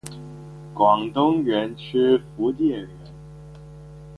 广东人吃福建人！